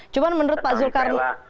cuma menurut pak zulkarnain